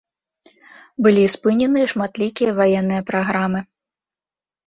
Былі спыненыя шматлікія ваенныя праграмы.